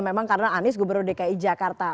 memang karena anies gubernur dki jakarta